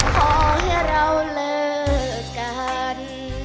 ขอให้เราเลิกกัน